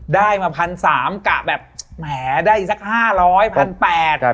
ได้มา๑๓๐๐บาทกลับแบบแหมได้อีกสัก๕๐๐บาท